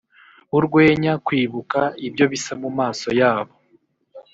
urwenya, kwibuka, ibyo bisa mumaso yabo-